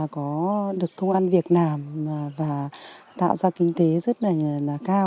có được công an việt nam và tạo ra kinh tế rất là cao